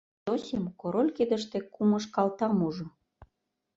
Зосим Король кидыште кумыж калтам ужо.